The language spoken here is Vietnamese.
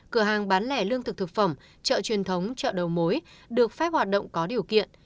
cửa hàng bán lẻ lương thực thực phẩm chợ truyền thống chợ đầu mối được phép hoạt động có điều kiện